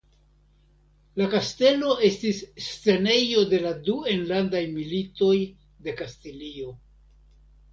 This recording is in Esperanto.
La kastelo estis scenejo de la du enlandaj militoj de Kastilio.